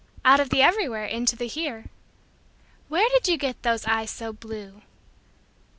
Out of the everywhere into the here. Where did you get those eyes so blue?